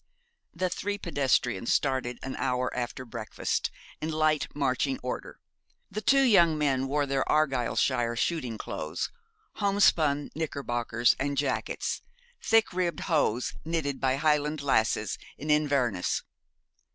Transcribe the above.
The three pedestrians started an hour after breakfast, in light marching order. The two young men wore their Argyleshire shooting clothes homespun knickerbockers and jackets, thick ribbed hose knitted by Highland lasses in Inverness.